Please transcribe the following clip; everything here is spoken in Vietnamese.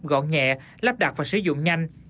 gọn nhẹ lắp đặt và sử dụng nhanh